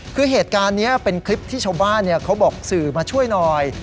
คือเหตุการณ์นี้เป็นคลิปที่ชาวบ้านเขาบอกสื่อมาช่วยหน่อย